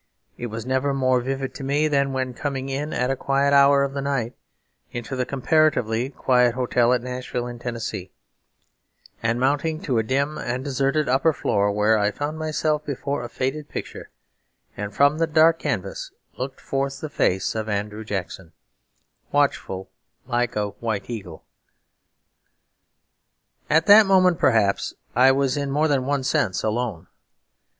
It was never more vivid to me than when coming in, at a quiet hour of the night, into the comparatively quiet hotel at Nashville in Tennessee, and mounting to a dim and deserted upper floor where I found myself before a faded picture; and from the dark canvas looked forth the face of Andrew Jackson, watchful like a white eagle. At that moment, perhaps, I was in more than one sense alone.